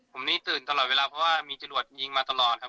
ผมนี่ตื่นตลอดเวลาเพราะว่ามีจรวดยิงมาตลอดครับ